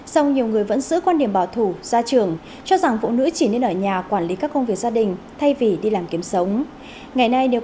song nhiều người vẫn giữ quan điểm bảo thủ gia trưởng cho rằng phụ nữ chỉ nên ở nhà quản lý các công việc gia đình thay vì đi làm kiếm sống